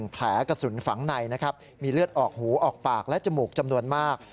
แผลกระสุนฝังในนะครับมีเลือดออกหูออกปากและจมูกจำนวนมาก